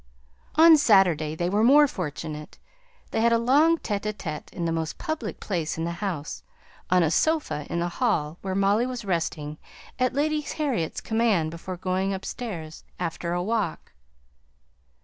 On Saturday they were more fortunate: they had a long tÉte ł tÉte in the most public place in the house on a sofa in the hall where Molly was resting at Lady Harriet's command before going upstairs after a walk.